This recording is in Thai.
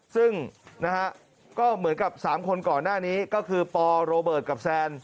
ซึ่งนะฮะก็เหมือนกับ๓คนก่อนหน้านี้ก็คือปโรเบิร์ตกับแซน